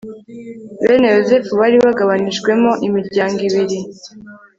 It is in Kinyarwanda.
bene yozefu bari bagabanijwemo imiryango ibiri